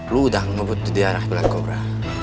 lu udah ngebut di daerah black cobra